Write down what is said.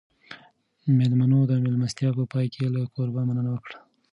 مېلمنو د مېلمستیا په پای کې له کوربه مننه وکړه.